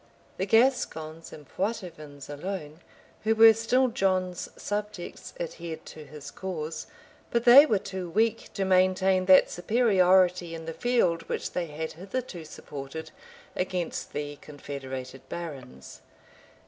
The Gascons and Poictevins alone, who were still John's subjects, adhered to his cause; but they were too weak to maintain that superiority in the field which they had hitherto supported against the confederated barons.